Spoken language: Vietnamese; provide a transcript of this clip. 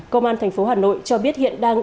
công an thành phố hà nội cho biết hiện đang